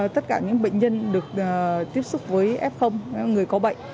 tất cả những bệnh nhân được tiếp xúc với f người có bệnh